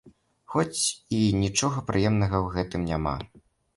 Хоць і нічога прыемнага ў гэтым няма.